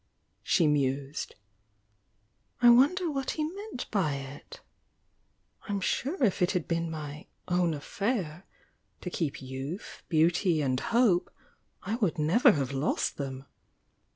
she mused. "I wonder what he meant by it? I'm sure if it had been my 'own affair' to keep youth, beauty and hope, I would never have lost them